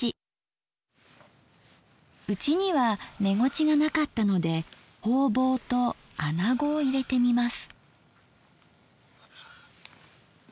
うちにはめごちが無かったのでほうぼうとあなごを入れてみます。